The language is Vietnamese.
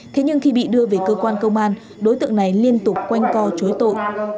thế nhưng khi bị đưa về cơ quan công an đối tượng này liên tục quanh co chối tội